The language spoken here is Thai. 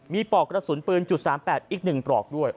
มีปลอกกระสุนปืน๓๘อีก๑ปลอกด้วย